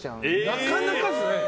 なかなかですよね。